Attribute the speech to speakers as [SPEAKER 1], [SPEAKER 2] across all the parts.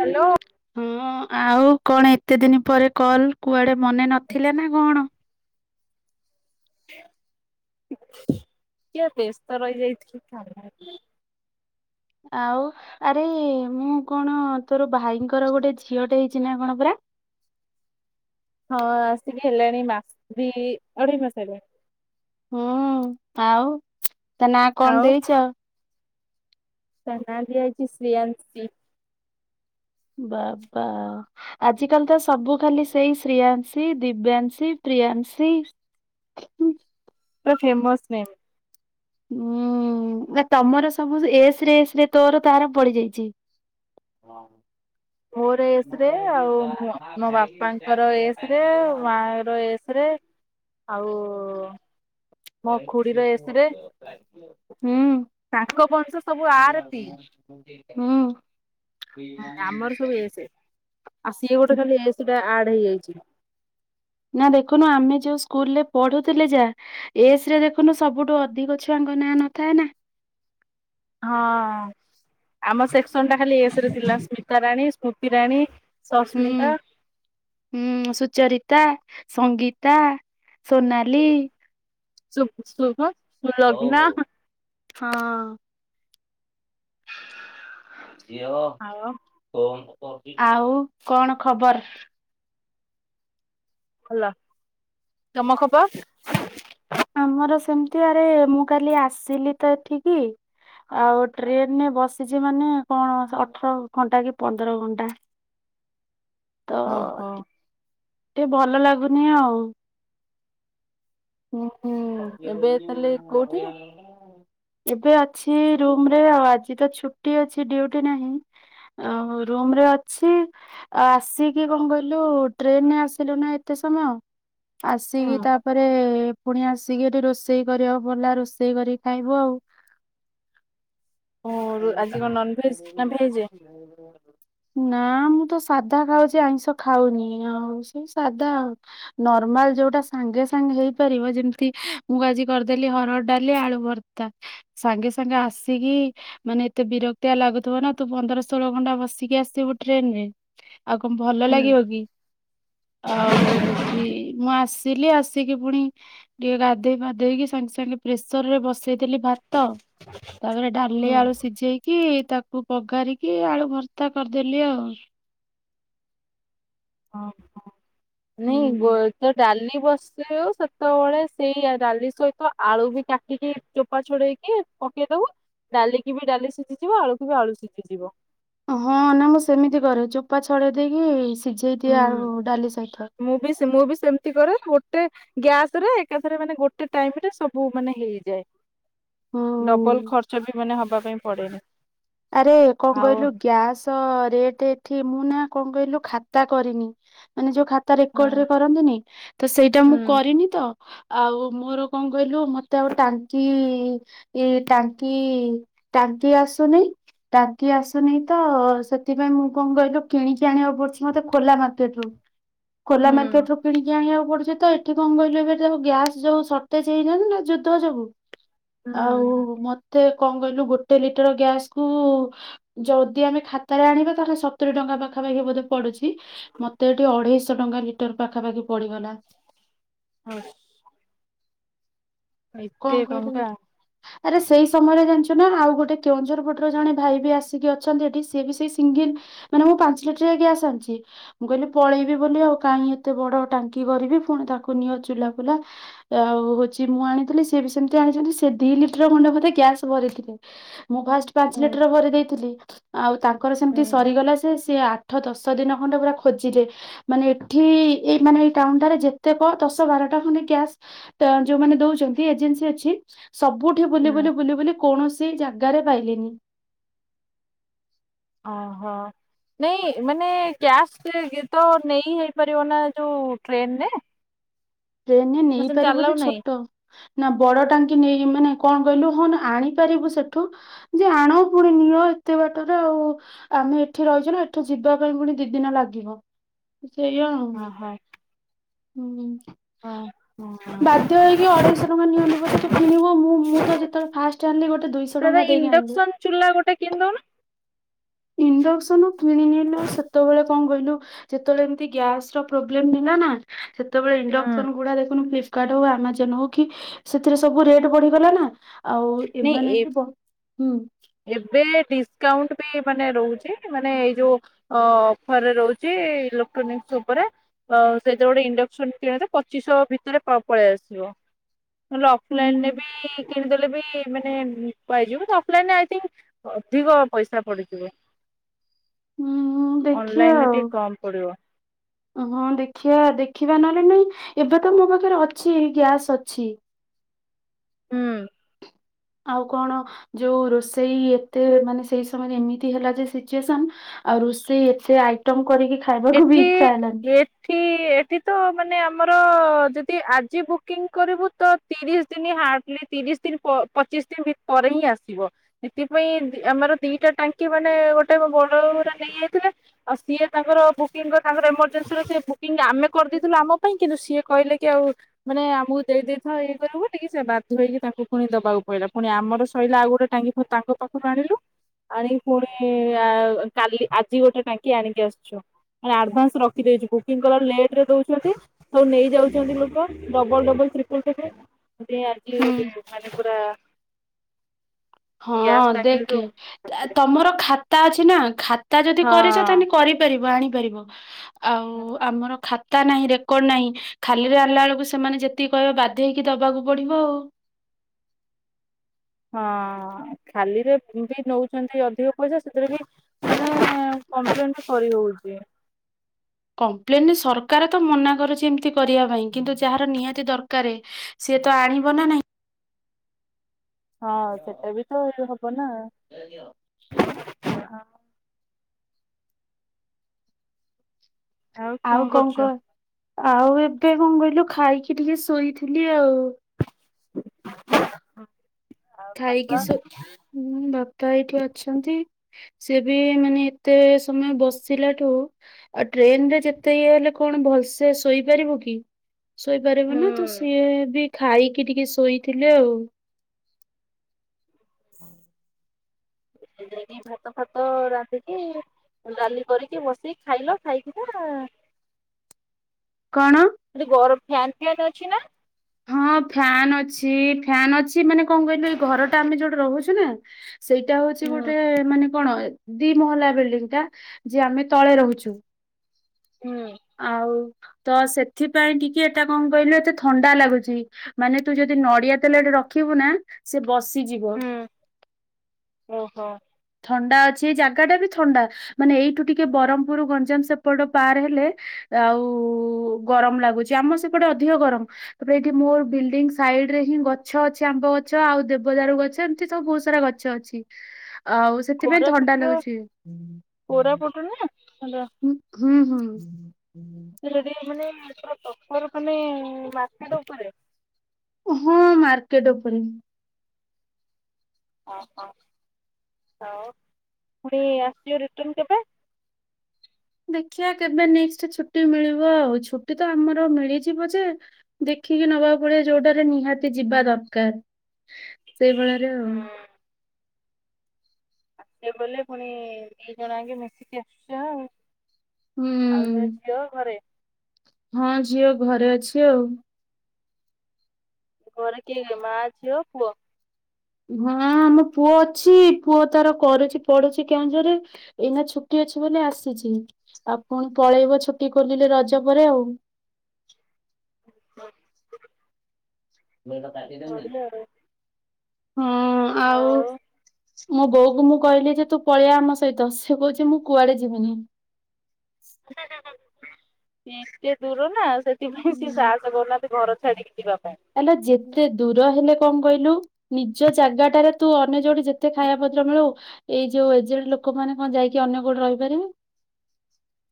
[SPEAKER 1] Hello.
[SPEAKER 2] ହଁ ଆଉ କଣ ଏତେ ଦିନ ପରେ କଲ୍ କୁଆଡେ ମନେ ନଥିଲା ନା କଣ?
[SPEAKER 1] ଟିକିଏ ବ୍ୟସ୍ତ ରହି ଯାଇଥିଲି କାମରେ।
[SPEAKER 2] ଆଉ ଆରେ ମୁଁ କଣ ତୋର ଭାଇଙ୍କର ଗୋଟେ ଝିଅ ଟେ ହେଇଛି ନା କଣ ପରା?
[SPEAKER 1] ହଁ ଆସିକି ହେଲାଣି ମାସେ ଦି ଅଢେଇ ମାସ ହେଲାଣି।
[SPEAKER 2] ହୁଁ ଆଉ ତା ନା କଣ
[SPEAKER 1] ଆଉ
[SPEAKER 2] ଦେଇଚ?
[SPEAKER 1] ତା ନା ଦିଆ ହେଇଛି ଶ୍ରୀୟାଂସି।
[SPEAKER 2] ବାବା ଆଜିକାଲି ତ ସବୁ ଖାଲି ସେଇ ଶ୍ରୀୟାଂଶି, ଦିବ୍ୟାଂଶୀ, ପ୍ରିୟାଂଶୀ।
[SPEAKER 1] [inaudible] ଫେମସ ନେମ୍
[SPEAKER 2] ଉୁଁ ନା ତମର ସବୁ ଏସ୍ ରେ ଏସ୍ ରେ ତୋର ତାର ପଡିଯାଇଛି।
[SPEAKER 1] [unintelligible] ମୋର ଏସ୍ ରେ ଆଉ ମୋ ବାପାଙ୍କର ଏସ୍ ରେ ମା ର ଏ ରେ ଆଉ ମୋ ଖୁଡ଼ୀର ଏସ୍ ରେ
[SPEAKER 2] ହୁଁ।
[SPEAKER 1] ତାଙ୍କ ବଂଶ ସବୁ ଆର୍ ପି
[SPEAKER 2] ହୁଁ।
[SPEAKER 1] ହ
[SPEAKER 2] ନା
[SPEAKER 1] ଆମର ସବୁ ଏସ୍ ଆଉ ସିଏ ଗୋଟେ ଖାଲି ଏସ୍ ଟା ଆଡି ହେଇଯାଇଛି।
[SPEAKER 2] ନା ଦେଖୁନୁ ଆମେ ଯୋଉ ସ୍କୁଲ ରେ ପଢୁଥିଲେ ଯା ଏସ ରେ ଦେଖୁନୁ ସବୁଠୁ ଅଧିକ ଛୁଆଙ୍କ ନାଁ ନଥାଏ ନା?
[SPEAKER 1] ହଁ ଆମ ସେକ୍ସନ ଟା ଖାଲି ଏସ୍ ରେ ଥିଲା ସ୍ମିତା ରାଣୀ ସ୍ମୃତି ରାଣୀ ସସ୍ମିତା
[SPEAKER 2] ହୁଁ ହୁଁ ସୁଚରତା ସଙ୍ଗୀତା ସୋନାଲି
[SPEAKER 1] ସୁଖୁଖ
[SPEAKER 2] ହଉ ହଉ ହଁ ଝିଅ
[SPEAKER 1] ଆଉ
[SPEAKER 2] ଫୋନ୍ କରଚି ଆଉ କଣ ଖବର୍?
[SPEAKER 1] ଭଲ ତମ ଖବର୍?
[SPEAKER 2] ଆମର ସେମିତି ଆରେ ମୁଁ କାଲି ଆସିଲି ତ ଏଠିକି ଆଉ ଟ୍ରେନ ରେ ବସିଛି ମାନେ କଣ ଅଠର ଘଣ୍ଟା କି ପନ୍ଦର ଘଣ୍ଟା।
[SPEAKER 1] [unintelligible]
[SPEAKER 2] ତ
[SPEAKER 1] ଓହୋ
[SPEAKER 2] ଟି- ଟିକେ ଭଲ ଲାଗୁନି ଆଉ।
[SPEAKER 1] ଓହୋ।
[SPEAKER 2] [unintelligible] ମୁଁ ଲଗେଇବା କଥା ଆଉ ଏବେ ଅଛି ରୁମ୍ ରେ ଆଉ ଆଜି ତ ଛୁଟି ଅଛି ଡ୍ୟୁଟି ନାହିଁ ଆଉ ରୁମ୍ ରେ ଅଛି ଆ-ଆସିକି କଣ କହିଲୁ ଟ୍ରେନରେ ଆସିଲୁ ନା ଏତେ ସମୟ ଆସିକି
[SPEAKER 1] ହୁଁ
[SPEAKER 2] ତାପରେ ପୁଣି ଆସିକି ଏଠି ରୋଷେଇ କରିବାକୁ ପଡ଼ିଲା ରୋଷେଇ କରିକି ଖାଇବୁ ଆଉ।
[SPEAKER 1] ଓ ଆଜି କଣ ନନ୍ଭେଜ ନା ଭେଜ୍?
[SPEAKER 2] ନା ମୁଁ ତ ସାଧା ଖାଉଛି ଆଇଁଷ ଖାଉନି ଆଉ ସେ ସାଧା ଆଉ। ନର୍ମାଲ ଯୋଉଟା ସାଙ୍ଗେ ସାଙ୍ଗେ ହେଇପାରିବ ଯେମିତି ମୁଁ ଆଜି କରିଦେଲି ହରଡ଼ ଡାଲି ଆଳୁ ଭର୍ତା ତା ସାଙ୍ଗେ ସାଙ୍ଗେ ଆସିକି ମାନେ ଏତେ ବିରକ୍ତିଆ ଲାଗୁଥିବ ନା, ତୁ ପନ୍ଦର ଷୋହଳ ଘଣ୍ଟା ବସିକି ଆସିଥିବୁ ଟ୍ରେନ୍ ରେ ଆଉ କଣ ଭଲ
[SPEAKER 1] ହୁଁ
[SPEAKER 2] ଲାଗିବ କି? ଆଉ ହଉଛି, ମୁଁ ଆସିଲି ଆସିକି ପୁଣି ଟିକେ ଗାଧେଇ ଫାଧେଇକି, ସାଙ୍ଗେ ସାଙ୍ଗେ ପ୍ରେସର ରେ ବସେଇଦେଲି ଭାତ ତା'ପରେ ଡାଲି
[SPEAKER 1] ହୁଁ
[SPEAKER 2] ଆଳୁ ସି କି ତାକୁ ପଘାରିକି, ଆଳୁ ଭର୍ତା କରିଦେଲି ଆଉ।
[SPEAKER 1] ହଁ, ହଁ ନାଇଁ
[SPEAKER 2] ହୁଁ
[SPEAKER 1] ଗୋତ ଯେ ଡାଲି ବସେଇବୁ, ସେତେବେଳେ ସେଇ ଡାଲି ସହିତ ଆଳୁ ବି କାଟିକି ଚୋପ୍ ଚପା ଡେଇକି ପକେଇଦବୁ। ଡାଲିକି ବି ଡାଲି ସିଝିଯିବ ଆଳୁକୁ ବି ଆଳୁ ସିଝିଯିବ।
[SPEAKER 2] ହଁ ନା ମୁଁ ସେମିତି କରେ ଚୋପା ଛଡେଇ ଦେଇକି ସିଝେଇ
[SPEAKER 1] ହୁଁ
[SPEAKER 2] ଦିଏ ଆଉ ଡାଲି ସହିତ।
[SPEAKER 1] ମୁଁ ବି ସେ ମୁଁ ବି ସେମିତି କରେ, ଗୋଟେ ଗ୍ୟାସ୍ ରେ ଏକାଥରେ ମାନେ ଗୋଟେ ଟାଇମ୍ ରେ ସବୁ ମାନେ ହେଇଯାଏ।
[SPEAKER 2] ହୁଁ।
[SPEAKER 1] ଡବଲ ଖର୍ଚ ବି ମାନେ ହବା ପାଇଁ ପଡେନି।
[SPEAKER 2] ଆରେ କଣ
[SPEAKER 1] ଆଉ
[SPEAKER 2] କହିଲୁ ଗ୍ୟାସ ରେଟ୍ ଏଠି ମୁଁ ନା କଣ କହିଲୁ ଖାତା କରିନି। ମାନେ ଯୋଉ ଖାତା ରେକର୍ଡ
[SPEAKER 1] ହଁ
[SPEAKER 2] ରେ କରନ୍ତିନି, ତ ସେଇଟା ମୁଁ
[SPEAKER 1] ହୁଁ
[SPEAKER 2] କରିନି ତ। ଆଉ, ମୋର କଣ କହିଲୁ, ମତେ ଆଉ ଟାଙ୍କି ଏଇ ଟାଙ୍କି, ଟାଙ୍କି ଆସୁନେଈ ତ ଟାଙ୍କି ଆସୁନେଇ ତ ସେଥିପାଇଁ ମୁଁ କଣ କହିଲୁ, କିଣିକି ଆଣିବାକୁ ପଡୁଛି ମତେ ଖୋଲା ମାର୍କେଟ ରୁ। ଖୋଲା
[SPEAKER 1] ହୁଁ
[SPEAKER 2] ମାର୍କେଟ ରୁ କିଣିକି ଆଣିବାକୁ ପଡୁଚି ତ। ଏଠି କଣ କହିଲେ ଏ ଗ୍ୟାସ୍ ଯୋଉ ସ ତ ସେଇ ଯୋଗୁ ନା ଯ ତ ଯୋଗୁଁ ଆଉ, ମତେ କଣ କହିଲୁ। ଗୋଟେ ଲିଟର ଗ୍ୟାସ୍ କୁ ଯଦି ଆମେ ଖାତାରେ ଆଣିବା ତାହେଲେ, ସତୁରି ଟଙ୍କା ପାଖାପାଖି ବୋଧେ ପଡୁଛି। ମତେ ଏଠି ଅଢେଇଶହ ଟଙ୍କା ଲିଟର ପାଖାପାଖି ପଡିଗଲା।
[SPEAKER 1] ହଉ ଛ। ଏତେ
[SPEAKER 2] କଣ
[SPEAKER 1] ଟଙ୍କା
[SPEAKER 2] କରିବି? ଆରେ ସେଇ ସମୟରେ ଜାଣିଛୁ ନା ଆଉ, ଗୋଟେ କେଉଁଝର ପଟର ଜଣେ ଭାଇ ବି ଆସିକି ଅଛନ୍ତି ଏଠି ସିଏ ବି ସେଇ ସିଙ୍ଗିଲ୍ ମାନେ ମୁଁ ପାଞ୍ଚ ଲିଟିରିଆ ଗ୍ୟାସ୍ ଆଣୁଛି। ମୁଁ କହିଲି ପଳେଇବି ବୋଲି ଆଉ, କାଇଁ ଏତେ ବଡ ଟାଙ୍କି କରିବି ପୁଣି ତାକୁ ନିଅ ଚୁଲା ଫୁଲା ଆଉ, ହଉଛି ମୁଁ ଆଣିଥିଲି ସେ ସେଏଭି ସେମିତି ଆଣିଛନ୍ତି! ସେ ଦି ଲିଟର ଖଣ୍ଡେ ବୋଧେ ଗ୍ୟାସ୍ ଭରି ଥିଲେ। ମୁଁ ଫାଷ୍ଟ ପାଞ୍ଚ
[SPEAKER 1] ହୁଁ
[SPEAKER 2] ଲିଟର ଭରି ଦେଇଥିଲି। ଆଉ ତାଙ୍କର
[SPEAKER 1] ହୁଁ
[SPEAKER 2] ସେମିତି ସରିଗଲା ସେ ସେଆ ଆଠ ଦଶ ଦିନ ଖଣ୍ଡେ ପୁରା ଖୋଜିଲେ।। ମାନେ ଏଠି ଏଇ ମାନେ ଏଇ ଟାଉନ୍ ଟାରେ ଯେତେ କ ଦଶ ବାରଟା ଖଣ୍ଡେ ଗ୍ୟାସ୍ ତ ଯୋଉମାନେ ଦଉଛନ୍ତି ଏଜେନ୍ସି ଅଛି ସବୁଠି ବୁଲି
[SPEAKER 1] ହୁଁ
[SPEAKER 2] ବୁଲି ବୁଲି ବୁଲି କୌଣସି ଜାଗାରେ ପାଇଲେନି।
[SPEAKER 1] ଓହୋ। ! ନାଇ, ମାନେ ଗ୍ୟାସ୍ ରେ ତ ନେଇ ହେଇପାରିବ ନା ଯୋଉ ଟ୍ରେନ ରେ?
[SPEAKER 2] ଟ୍ରେନରେ ନେଇପାରିବ ଯେ
[SPEAKER 1] ନାହିଁ
[SPEAKER 2] ଛୋଟ। ନା ବଡ ଟାଙ୍କି ନେଇ ମାନେ କଣ କହିଲୁ ହଁ ନା ଆଣିପାରିବୁ ସେଠୁ ଯେ ଆଣ ପୁଣି ନିୟ ଏତେ ବାଟରେ ଆଉ ଆମେ ଏଠି ରହିଛୁ ନା ଏଠୁ ଯିବା ପାଇଁ ପୁଣି ଦି ଦିନ ଲାଗିବ। ସେୟା ଆଉ।
[SPEAKER 1] ଭାକ୍।
[SPEAKER 2] ହୁଁ।
[SPEAKER 1] ହଁ, ହଁ।
[SPEAKER 2] ବାଧ୍ୟ ହେଇକି ଅଢ଼େଇଶହ ଟଙ୍କା ନିଅନ୍ତୁ ପଛେ, ତୁ କିଣିବୁ ମୁଁ, ମୁଁ ତ ଯେତେବେଳେ ଫାଷ୍ଟ ଆଣିଲି ଗୋଟେ ଦୁଇଶହ ଶ
[SPEAKER 1] ଦାଦା
[SPEAKER 2] ଟଙ୍କା ଦେଇକି ଆଣିଲି।
[SPEAKER 1] ଇଣ୍ଡକ୍ସନ ଚୁଲା ଗୋଟେ କିଣି ଦଉନ?
[SPEAKER 2] ଇଣ୍ଡକ୍ସନ କିଣିନେଲେ ଆଉ ସେତେବେଳେ କଣ କହିଲୁ? ଯେତେବେଳେ ଏମିତି ଗ୍ୟାସର ପ୍ରୋବ୍ଲେମ ହେଲା ନା ସେ ସେତେବେଳେ ଇଣ୍ଡକ୍ସନ ଗୁଡା ଦେଖୁନୁ ଫ୍ଲିପକାର୍ଟ ହଉ ଆମାଜନ ହଉ କି ସେଥିରେ ସବୁ ରେଟ୍ ବଢିଗଲା ନା। ଆଉ
[SPEAKER 1] ନାଇଁ
[SPEAKER 2] ଏମାନେ
[SPEAKER 1] ଏ
[SPEAKER 2] ବି ବ ହୁଁ।
[SPEAKER 1] ଏବେ ଡିସକାଉଣ୍ଟ ବି ମାନେ ରହୁଛି ମାନେ ଏଇ ଯୋଉ ଅ ଅଫର ରହୁଛି ଇଲେକ୍ଟ୍ରୋନିକ୍ସ ଉପରେ। ଅ ସେଥିରେ ଗୋଟେ ଇଣ୍ଡକ୍ସନ କିଣିଲେ ପଚିଶହ ଭିତରେ ପ ପଳେଇ ଆସିବ। ନଲେ
[SPEAKER 2] ହୁଁ
[SPEAKER 1] ଅଫଲାଇନରେ ବି କିଣିଦେଲେ ବି ମାନେ ପାଇଯିବ ଅଫଲାଇନରେ ଆଇ ଥିଙ୍କ୍ ଅଧିକ ପଇସା ପଡିଯିବ।
[SPEAKER 2] ହୁଁ ଦେଖିବା
[SPEAKER 1] ଅନଲାଇନରେ
[SPEAKER 2] ଆଉ।
[SPEAKER 1] ଟିକେ କମ ପଡିବ
[SPEAKER 2] ହଁ ଦେଖିବା ଦେଖିବା ନହେଲେ ନାଇଁ ଏବେ ତ ମୋ ପାଖରେ ଅଛି ଗ୍ୟାସ୍ ଅଛି।
[SPEAKER 1] ହୁଁ।
[SPEAKER 2] ଆଉ କଣ ଯୋଉ ରୋଷେଇ ଏତେ ମାନେ ସେଇ ସମୟରେ ଏମିତି ହେଲା ଯେ ସିଚୁଏସନ ଆଉ ରୋଷେଇ ଏତେ ଆଇଟମ କରିକି ଖାଇବାକୁ ବି ଇଚ୍ଛା ହେଲାନି।
[SPEAKER 1] କି ଏଠି ତ ମାନେ ଆମର ଅ ଯଦି ଆଜି ବୁକିଂ କରିବୁ ତ ତିରିଶ ଦିନ ହାର୍ଡଲି ତିରିଶ ଦିନ ପ ପଚିଶ ଦିନି ପରେ ହିଁ ଆସିବ। ଏଥିପାଇଁ ଆମର ଦିଟା ଟାଙ୍କି ମାନେ ଗୋଟେ ମୋ ବଡବୋଉ ଘର ନେଇଆଇଥିଲେ। ଆଉ ସିଏ ତାଙ୍କର ବୁକିଂର ତାଙ୍କର ଏମର୍ଜେନ୍ସିର ସେ ବୁକିଂ ଆମେ କରିଦେଇଥିଲୁ ଆମ ପାଇଁ କିନ୍ତୁ ସିଏ କହିଲେ କି ଆଉ ମାନେ ଆମକୁ ଦେଇଦେଇଥାଅ ଇଏ କରିବୁ ବୋଲି ସେ ବାଧ୍ୟ ହେଇକି ତାଙ୍କୁ ପୁଣି ଦବାକୁ ପଡିଲା ପୁଣି ଆମର ସଇଲେ ଆଉ ଗୋଟେ ଟାଙ୍ଗି। ହଁ ତାଙ୍କ ପାଖରୁ ଆଣିଲୁ। ଆଣିକି ପୁଣି କାଲି ଆ ଆଜି ଗୋଟେ ଟାଙ୍କି ଆଣିକି ଆସଛୁ। ମାନେ ଆଡଭାନ୍ସ ରଖିଦେଇଛୁ ବୁକିଂ କଲାରୁ ଲେଟରେ ଦଉଛନ୍ତି। ସବୁ ନେଇଯାଉଛନ୍ତି ଲୋକ ଡବଲ ଡବଲ ତ୍ରିପୁଲ୍ ତ୍ରିପୁଲ୍। ଆଜି ଆଜି ଆଜି
[SPEAKER 2] ହୁଁ
[SPEAKER 1] ମାନେ ପୁରା।
[SPEAKER 2] ହଁ
[SPEAKER 1] ଗ୍ୟାସ ଟାଙ୍କି
[SPEAKER 2] ଦେଖେ
[SPEAKER 1] ଯୋଉ
[SPEAKER 2] ତମର ଖାତା ଅଛି ନା ଖାତା ଯଦି କରିଛ ତାହେଲେ କରି
[SPEAKER 1] ହଁ
[SPEAKER 2] କରିପାରିବ ଆଣିପାରିବ ଆଉ ଆମର ଖା ତା ନାହିଁ ରେକର୍ଡ ନାହିଁ ଖାଲିରେ ଆଣିଲା ବେଳକୁ ସେମାନେ ଯେତିକି କହିବେ ବାଧ୍ୟ ହେଇକି ଦବାକୁ ପଡିବ ଆଉ।
[SPEAKER 1] ହଁ ଖାଲିରେ ବି ନଉଛନ୍ତି ଅଧିକ ପଇସା ସେଥିରେ ବି ମାନେ କମ୍ପ୍ଲେନ କରି ହଉଛି।
[SPEAKER 2] କମ୍ପ୍ଲେନ ସରକାର ତ ମନା କରୁଛି ଏମିତି କରିବା ପାଇଁ କିନ୍ତୁ ଯାହାର ନିହାତି ଦରକାରେ। ସିଏ ତ ଆଣିବ ନା ନାଇଁ।
[SPEAKER 1] ହଁ ସେଟା ବି ତ ହବ ନା?
[SPEAKER 2] [inaudible] ଆଉ କଣ କହ ଆଉ ଏବେ କଣ କହିଲୁ ଖାଇକି ଟିକେ ଶୋଇଥିଲି ଆଉ ଖାଇକି ଶୋ ବାପା ଏଇଠି ଅଛନ୍ତି। ସେ ବି ମାନେ ଏତେ ସମୟ ବସିଲାଠୁ ଆଉ ଟ୍ରେନରେ ଯେତେ ଇଏ ହେଲେ କଣ ଭଲସେ ଶୋଇପାରିବୁ କି? ଶୋଇପାରିବ ନା ତ
[SPEAKER 1] ହୁଁ।
[SPEAKER 2] ସିଏ ବି ଖାଇକି ଟିକେ ଶୋଇଥିଲେ ଆଉ
[SPEAKER 1] ଯାଇକି ଭାତ ଫାତ ରାନ୍ଧିକି। ଡାଲି କରିକି ବସିକି ଖାଇଲା ଖାଇକିନା
[SPEAKER 2] କଣ?
[SPEAKER 1] ସେଠି ବର ଫ୍ୟାନ୍ ଫ୍ୟାନ୍ ଅଛି ନା?
[SPEAKER 2] ହଁ ଫ୍ୟାନ ଅଛି ଫ୍ୟାନ ଅଛି ମାନେ କଣ କହିଲୁ ଏଇ ଘରଟା ଆମେ ଯୋଉଠି ରହୁଛୁ ନା। ସେଇଟା ହଉଛି
[SPEAKER 1] ହୁଁ
[SPEAKER 2] ଗୋଟେ ମାନେ କଣ ଦି ମହଲା ବିଲଡିଂଟା ଯିଏ ଆମେ ତଳେ ରହୁଛୁ।
[SPEAKER 1] ହୁଁ।
[SPEAKER 2] ଆଉ ତ ସେଥିପାଇଁ ଟିକେ ଏଟା କଣ କହିଲେ ଏତେ ଥଣ୍ଡା ଲାଗୁଛି। ମାନେ ତୁ ଯଦି ନଡିଆ ତେଲଟେ ରଖିବୁ ନା ସେ ବସିଯିବ।
[SPEAKER 1] ହଁ ଓ ହୋ।
[SPEAKER 2] ଥଣ୍ଡା ଅଛି। ଏଇ ଜାଗା ଟା ବି ଥଣ୍ଡା, ମାନେ ଏଇଠୁ ଟିକେ ବରହମ୍ ପୁର ଗଞ୍ଜାମ ସେପଟ ପାର ହେଲେ ଆଉ ଗରମ ଲାଗୁଛି, ଆମ ସେପଟେ ଅଧିକ ଗରମ। ତାପରେ ଏଇଠି ମୋର ବିଲଡିଙ୍ଗ ସାଇଡ ରେ ହିଁ ଗଛ ଅଛି। ଆମ୍ବ ଗଛ ଆଉ ଦେବଦାରୁ ଗଛ ଏମିତି ସବୁ ବହୁତ ସାରା ଗ ଛ ଅଛି। ଆଉ ସେଥିପାଇଁ ଥଣ୍ଡା
[SPEAKER 1] କୋରାପୁଟର
[SPEAKER 2] ଲାଗୁଛି
[SPEAKER 1] କୋରାପୁଟ ନୁହେଁ [unintelligible]
[SPEAKER 2] ହୁଁ- ହୁଁ- ହୁଁଁ।
[SPEAKER 1] [unintelligible] ମାର୍କେଟ ଉପରେ।
[SPEAKER 2] ହଁ ମାର୍କେଟ ଉପରେ।
[SPEAKER 1] ପୁଣି ଆସିବ ରିଟର୍ନ କେବେ?
[SPEAKER 2] ଦେଖିଆ କେବେ ନେକ୍ସଟ୍ ଛୁଟି ମିଳିବ ଆଉ, ଛୁଟି ତ ଆମର ମିଳିଯିବ ଯେ ଦେଖିକି ନବାକୁ ପଡିବ ଯୋଉଟାରେ ନିହାତି ଯିବା ଦରକାର। ସେଇଭଳିରେ
[SPEAKER 1] ହୁଁ
[SPEAKER 2] ଆଉ
[SPEAKER 1] ସେ ବୋଇଲେ ପୁଣି ଦି ଜଣ ଆଗେ ମିଶିକି ଆସୁଛ ଆଉ।
[SPEAKER 2] ହୁଁ।
[SPEAKER 1] ଆଉ ତୋ ଝିଅ ଘରେ?
[SPEAKER 2] ହଁ ଝିଅ ଘରେ ଅଛି ଆଉ।
[SPEAKER 1] ଘରେ କିଏ ମା, ଝିଅ, ପୁଅ।
[SPEAKER 2] ହଁ ଆମ ପୁଅ ଅଛି, ପୁଅ ତାର କରୁଛି ପଢୁଛି କେଉଁଝରରେ। ଏଇନା ଛୁଟି ଅଛି ବୋଲି ଆସିଛି, ଆଉ ପୁଣି ପଳେଇବ ଛୁଟି ଖୋଲିଲେ ରଜ ପରେ ଆଉ।
[SPEAKER 1] [unintelligible] ବଢିଆ ଆଉ।
[SPEAKER 2] ହଁ ଆଉ ମୋ ବୋଉକୁ ମୁଁ କହିଲି ଯେ ତୁ ପଳେଇଆ ଆମ ସହିତ, ସେ କହୁଚି ମୁଁ କୁଆଡେ ଯିବିନି।
[SPEAKER 1] ଏତେ ଦୂର ନା ସେଥି ସେଥିପାଇଁ ସେ
[SPEAKER 2] ହୁଁ
[SPEAKER 1] ସାହସ କରୁନାହାନ୍ତି ଘର ଛାଡିକି ଯିବାକୁ।
[SPEAKER 2] ଆଲୋ ଯେତେ ଦୂର ହେଲେ କଣ କହିଲୁ, ନିଜ ଜାଗାଟାରେ ତୁ ଅନ୍ୟ ଯୋଉଠି ଯେତେ ଖାଇବା ପତ୍ର ମିଳୁ, ଏଇ ଯୋଉ ଏଜେଡ୍ ଲୋକ ମାନେ କଣ ଯାଇକି ଅନ୍ୟ କୋଉଠି ରହିପାରିବେ?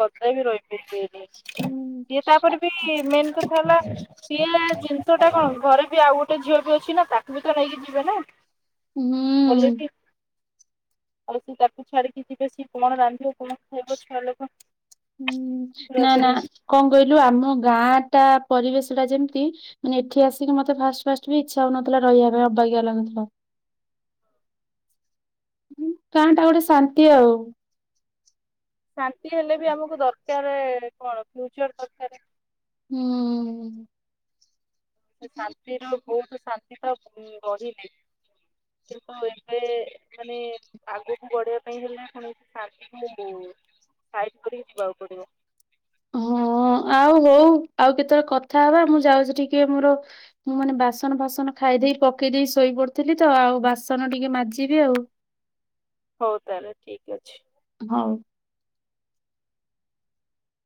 [SPEAKER 1] କଦାପି ରହି ପାରିବେନି,
[SPEAKER 2] ହୁଁ
[SPEAKER 1] ସିଏ ତାପରେ ବି ମେନ୍ କଥା ହେଲା ସିଏ ଜିନିଷ ଟା କଣ ଘରେ ବି ଆଉ ଗୋଟେ ଝିଅ ବି ଅଛି ନା, ତାକୁ ବି ତ ନେଇକି ଯିବେ ନା।
[SPEAKER 2] ହୁଁ।
[SPEAKER 1] ହେଲେବି ଆଉ ସିଏ ତାକୁ ଛାଡିକି ଯିବେ, ସିଏ କଣ ରାନ୍ଧିବ କଣ ଖାଇବ ଛୁଆ ଲୋକ
[SPEAKER 2] ହୁଁ-
[SPEAKER 1] ପୁରା
[SPEAKER 2] ନା- ନା
[SPEAKER 1] ପୁରି
[SPEAKER 2] କଣ କହିଲୁ, ଆମ ଗାଁଟା ପରିବେଶ ଟା ଯେମିତି ମାନେ ଏଠି ଆସିକି ମତେ ଫାଷ୍ଟ ଫାଷ୍ଟ ବି ଇଚ୍ଛା ହଉନଥିଲା ରହିବା ପାଇଁ, ଅବାଗିଆ ଲାଗୁଥିଲା। ଉଁ ଗାଁଟା ଗୋଟେ ଶାନ୍ତି ଆଉ।
[SPEAKER 1] ଶାନ୍ତି ହେଲେ ବି, ଆମକୁ ଦରକାର କଣ ଫ୍ୟୁଚର୍ ଦରକାରେ।
[SPEAKER 2] ହୁଁ।
[SPEAKER 1] ଶାନ୍ତିର ବହୁତ ଶାନ୍ତି ତ ଉଁ ରହିଲେ। କିନ୍ତୁ ଏବେ ମାନେ ଆଗକୁ ବଢିବା ପାଇଁ ହେଲେ, କୌଣସି ସା [unintelligible] ସାଇଟ୍ କରିକି ଯିବାକୁ ପଡିବ।
[SPEAKER 2] ହଁ ଆଉ ହଉ ଆଉ କେତେବେଳେ କଥା ହବା, ମୁଁ ଯାଉଚି ଟିକେ ମୋର ମୁଁ ମାନେ ବାସନ ଫାସନ ଖାଇଦେଇ ପକେଇ ଦେଇ ଶୋଇପଡିଥିଲି ତ, ଆଉ ବାସନ ଟିକେ ମାଜିବି ଆଉ।
[SPEAKER 1] ହଉ ତାହେଲେ ଠିକ୍ ଅଛି।
[SPEAKER 2] ହଉ।